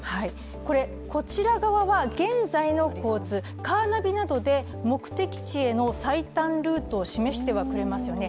こちら側は現在の交通、カーナビなどで目的地の最短ルートを示してくれはしますよね。